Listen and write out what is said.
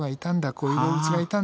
こういう動物がいたんだ